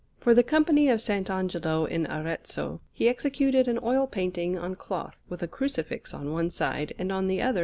For the Company of S. Angelo in Arezzo he executed an oil painting on cloth, with a Crucifix on one side, and on the other S.